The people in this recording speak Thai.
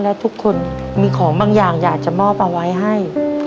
และทุกคนมีของบางอย่างอยากจะมอบเอาไว้ให้